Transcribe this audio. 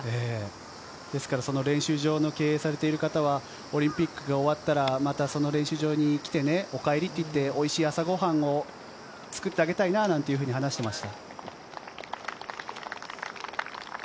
ですから練習場の経営されている方はオリンピックが終わったら、練習場にまた来て、おかえりって、おいしい朝ごはんを作ってあげたいななんて話していました。